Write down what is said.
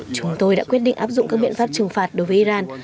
chúng tôi đã quyết định áp dụng các biện pháp trừng phạt đối với iran